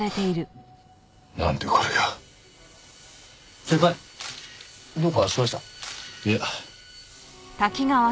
いや。